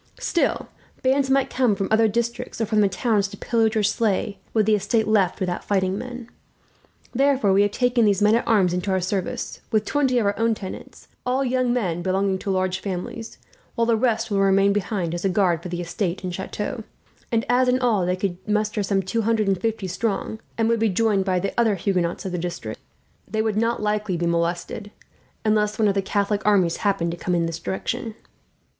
Still, bands might come from other districts, or from the towns, to pillage or slay were the estate left without fighting men. Therefore, we have taken these men at arms into our service, with twenty of our own tenants, all young men belonging to large families; while the rest will remain behind, as a guard for the estate and chateau; and as in all they could muster some two hundred and fifty strong, and would be joined by the other Huguenots of the district, they would not likely be molested, unless one of the Catholic armies happened to come in this direction.